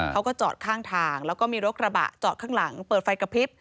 เขาก็จอดข้างทางแล้วก็มีรถกระบะจอดข้างหลังเปิดไฟกระพริบ